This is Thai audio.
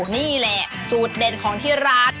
นี่แหละสูตรเด่นของที่ร้าน